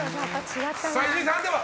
伊集院さん、判定は？